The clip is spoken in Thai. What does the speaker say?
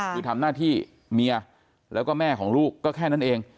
คือทำหน้าที่เมียแล้วก็แม่ของลูกก็แค่นั้นเอง